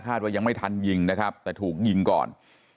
ว่ายังไม่ทันยิงนะครับแต่ถูกยิงก่อน